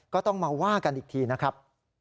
ก็ต้องมาว่ากันอีกทีนะครับ